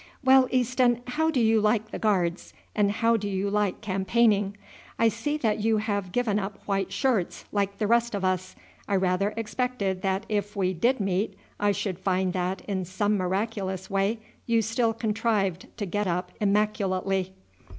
"Well, Easton, how do you like the Guards, and how do you like campaigning? I see that you have given up white shirts, like the rest of us. I rather expected that if we did meet I should find that, in some miraculous way, you still contrived to get up immaculately."